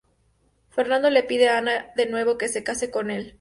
Fernando le pide a Ana de nuevo que se case con el.